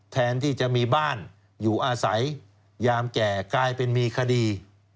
แทนที่จะมีบ้านอยู่อาศัยยามแก่กลายเป็นมีคดี